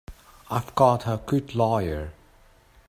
I've got a good lawyer.